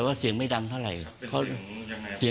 คือพี่ทั้งเป็นตาย